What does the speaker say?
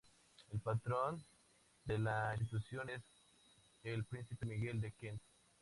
El patrón de la institución es el Príncipe Miguel de Kent.